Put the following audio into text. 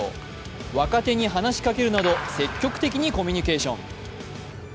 若手に話しかけるなど積極的にコミュニケーション。